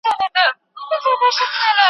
هر څه چې دوی ویني، هغه زده کوي.